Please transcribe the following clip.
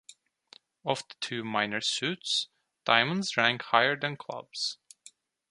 Of the two minor suits, diamonds rank higher than clubs.